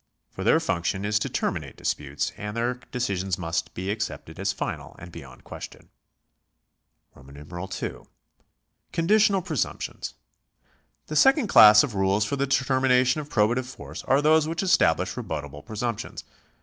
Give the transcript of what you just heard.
For their function is to terminate disputes, and their decisions must be accepted as final and beyond question. II. Conditional presumptions. — The second class of rules for the determination of probative force are those which establish rebuttable presumptions.